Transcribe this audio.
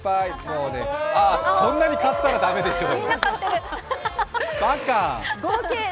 あ、そんなに買ったら駄目でしょう。